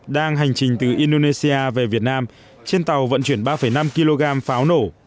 đang hành trình từ indonesia về việt nam trên tàu vận chuyển ba năm kg pháo nổ